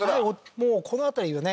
もうこの辺りはね